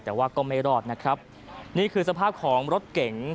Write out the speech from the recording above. แต่ว่าก็ไม่รอดนะครับนี่คือสภาพของรถเก๋ง